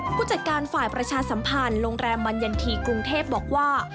ผู้จัดการฝ่ายประชาสัมพันธ์โรงแรมบรรยันทีกรุงเทพบอกว่า